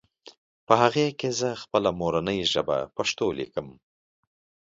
په هغې کې زهٔ خپله مورنۍ ژبه پښتو ليکم